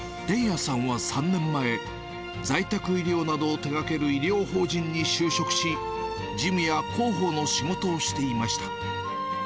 連也さんは３年前、在宅医療などを手がける医療法人に就職し、事務や広報の仕事をしていました。